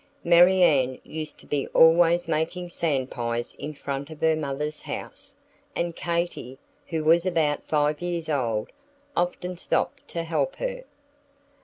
Marianne used to be always making sand pies in front of her mother's house, and Katy, who was about five years old, often stopped to help her.